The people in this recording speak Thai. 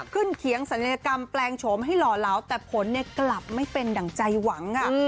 เคียงศัลยกรรมแปลงโฉมให้หล่อเหลาแต่ผลกลับไม่เป็นดั่งใจหวังค่ะ